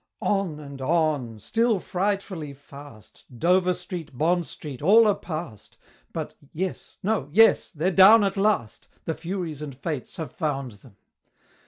On and on! still frightfully fast! Dover Street, Bond Street, all are past! But yes no yes! they're down at last! The Furies and Fates have found them!